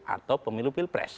atau pemilu pilpres